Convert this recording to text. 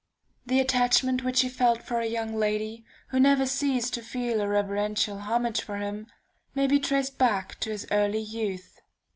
The attachment which he felt for a young lady, who never ceased to feel a reverential homage for him, may be traced back to his early youth.